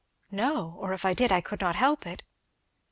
"No! or if I did I could not help it."